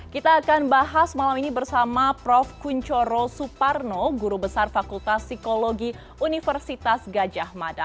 kita akan bahas malam ini bersama prof kunchoro suparno guru besar fakultas psikologi universitas gajah mada